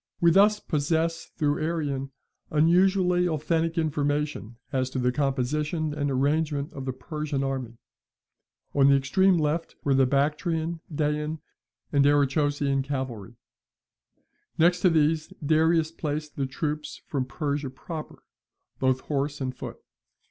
We thus possess, through Arrian, unusually authentic information as to the composition and arrangement of the Persian army. On the extreme left were the Bactrian, Daan, and Arachosian cavalry. Next to these Darius placed the troops from Persia proper, both horse and foot.